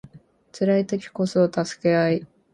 辛い時こそ助け合い